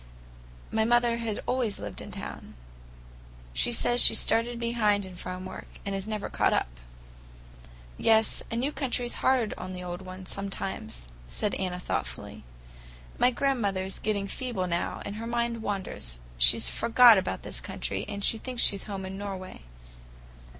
My mother had always lived in town. She says she started behind in farm work, and never has caught up." "Yes, a new country's hard on the old ones, sometimes," said Anna thoughtfully. "My grandmother's getting feeble now, and her mind wanders. She's forgot about this country, and thinks she's at home in Norway.